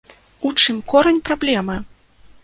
У чым корань праблемы?